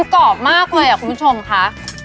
กรอบมากเลยคุณผู้ชมค่ะ